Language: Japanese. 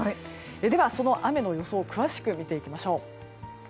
では、その雨の予想を詳しく見ていきましょう。